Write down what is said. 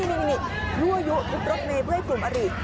โอ้โหนี่ยั่วยุกรถเมย์เพื่อยกลุ่มอรีต